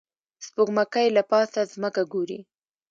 سپوږمکۍ له پاسه ځمکه ګوري